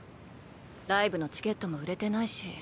ライブのチケットも売れてないし。